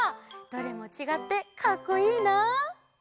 どれもちがってかっこいいなあ。